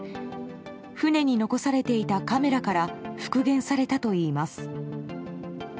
船に残されていたカメラから復元されたといいます。